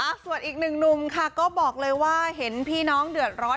ส่วนอีกหนึ่งหนุ่มค่ะก็บอกเลยว่าเห็นพี่น้องเดือดร้อน